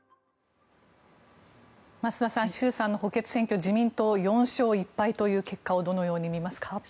増田さん衆参の補欠選挙自民党４勝１敗という結果をどのように見ますか。